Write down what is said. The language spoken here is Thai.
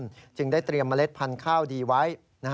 จึงได้เตรียมเมล็ดพันธุ์ข้าวดีไว้